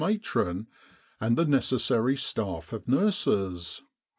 Matron and the necessary staff of nurses.